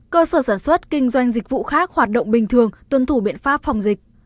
cơ sở sản xuất kinh doanh dịch vụ khác hoạt động bình thường tuân thủ biện pháp phòng dịch